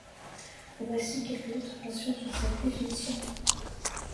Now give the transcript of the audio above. Voici quelques observations sur cette définition.